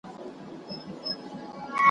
لکه اوښکه بې هدفه رغړېدمه `